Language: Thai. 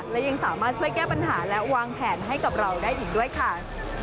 และยังสามารถช่วยแก้ปัญหาและวางแผนให้กับเราได้อีกด้วยค่ะ